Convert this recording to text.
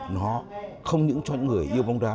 nó không những cho những người yêu bóng đá